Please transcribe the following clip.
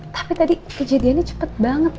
tapi tadi kejadiannya cepet banget